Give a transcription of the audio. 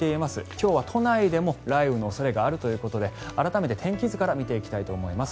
今日は都内でも雷雨の恐れがあるということで改めて天気図から見ていきたいと思います。